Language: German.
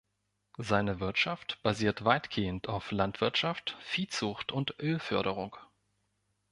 Seine Wirtschaft basiert weitgehend auf Landwirtschaft, Viehzucht und Ölförderung.